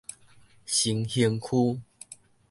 新興區